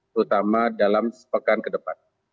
terutama dalam sepekan ke depan